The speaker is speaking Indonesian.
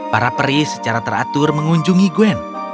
para peri secara teratur mengunjungi gwen